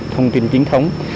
thông tin chính thống